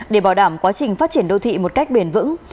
để bảo đảm quá trình phát triển đô thị một cách bền vững